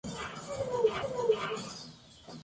Luego, continuó en Italia, y más tarde retornó a París.